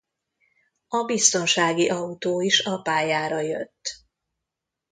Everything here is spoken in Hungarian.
A biztonsági autó is a pályára jött.